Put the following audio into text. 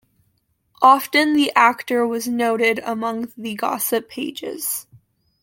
Often the actor was noted among the gossip pages.